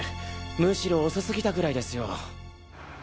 むしろ遅すぎたぐらいですよ。